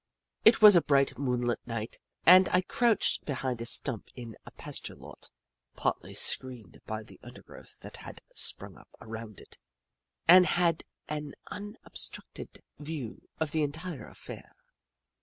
It was a bright moonlight night and I crouched behind a stump in a pasture lot, partly screened by the undergrowth that had sprung up around it, and had an unobstructed view of the entire affair.